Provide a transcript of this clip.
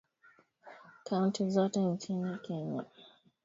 Kaunti zote nchini Kenya